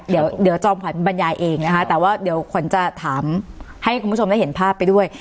เดี๋ยวจอมขวัญบรรยายเองนะคะแต่ว่าเดี๋ยวขวัญจะถามให้คุณผู้ชมได้เห็นภาพไปด้วย